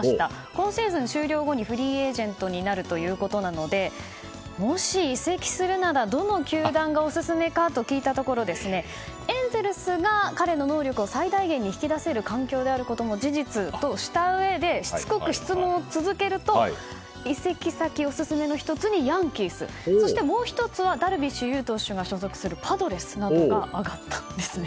今シーズン終了後にフリーエージェントになるということなのでもし移籍するなら、どの球団がオススメかと聞いたところエンゼルスが彼の能力を最大限に引き出せる環境なことも事実だとしたうえでしつこく質問を続けると移籍先、オススメの１つにヤンキース、そしてもう１つはダルビッシュ有投手が所属するパドレスなどが挙がったんです。